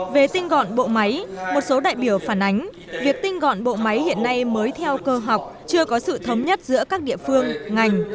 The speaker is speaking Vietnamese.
về tinh gọn bộ máy một số đại biểu phản ánh việc tinh gọn bộ máy hiện nay mới theo cơ học chưa có sự thống nhất giữa các địa phương ngành